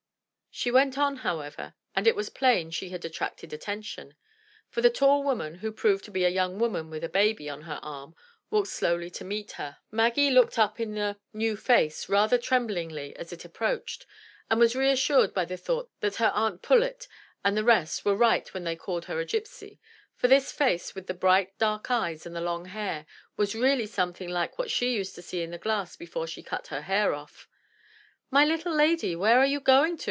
She went on, however, and it was plain she had attracted attention; for the tall woman, who proved to be a young woman with a baby on her arm, walked slowly to meet her. Maggie looked up in the 240 THE TREASURE CHEST ^f(^V.i' V\^ •Ml lib/ new face rather tremblingly as it approached, and was reassured by the thought that her Aunt Pullet and the rest were right when they called her a gypsy; for this face with the bright dark eyes and the long hair, was really something 24l MY BOOK HOUSE like what she used to see in the glass before she cut her hair off. "My little lady, where are you going to?"